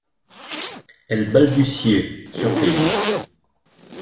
Elle balbutiait, surprise.